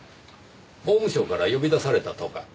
法務省から呼び出されたとか？